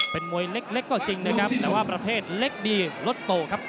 เป็นมวยเล็กก็จริงนะครับแต่ว่าประเภทเล็กดีรถโตครับ